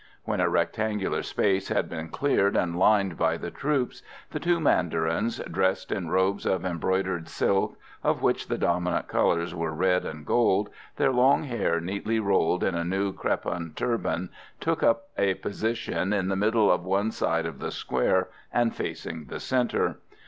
When a rectangular space had been cleared and lined by the troops, the two mandarins, dressed in robes of embroidered silk, of which the dominant colours were red and gold, their long hair neatly rolled in a new crepon turban, took up a position in the middle of one side of the square, and facing the centre.